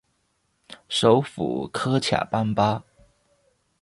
首府科恰班巴。